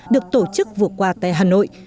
được tổ chức vừa qua tại hà nội